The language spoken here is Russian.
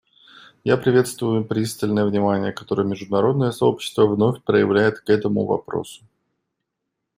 Я приветствую пристальное внимание, которое международное сообщество вновь проявляет к этому вопросу.